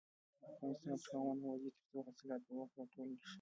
افغانستان تر هغو نه ابادیږي، ترڅو حاصلات په وخت راټول نشي.